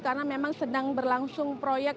karena memang sedang berlangsung proyek